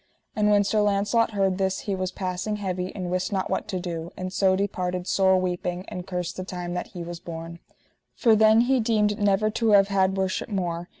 And when Sir Launcelot heard this he was passing heavy and wist not what to do, and so departed sore weeping, and cursed the time that he was born. For then he deemed never to have had worship more.